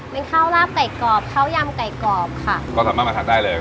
เป็นข้าวลาบไก่กรอบข้าวยำไก่กรอบค่ะก็สามารถมาทานได้เลย